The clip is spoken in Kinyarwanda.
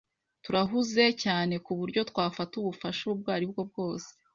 Turahuze cyane kuburyo twafata ubufasha ubwo aribwo bwose.